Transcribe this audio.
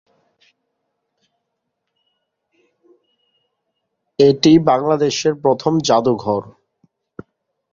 এটি বাংলাদেশের প্রথম জাদুঘর।